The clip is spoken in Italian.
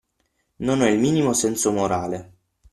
Non ho il minimo senso morale.